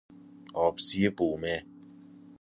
آبزی بومه